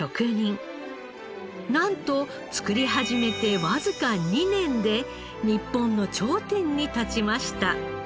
なんと作り始めてわずか２年で日本の頂点に立ちました。